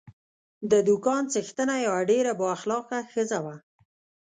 د دوکان څښتنه یوه ډېره با اخلاقه ښځه وه.